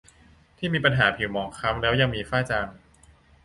ที่มีปัญหาผิวหมองคล้ำแล้วยังมีฝ้าจาง